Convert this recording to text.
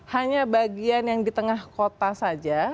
hanya bagian yang di tengah kota saja